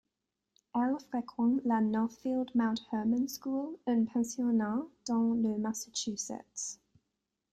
Elle fréquente la Northfield Mount Hermon School, un pensionnat dans le Massachusetts.